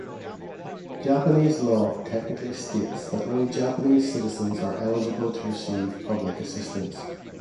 Japanese law technically states that only Japanese citizens are eligible to receive public assistance.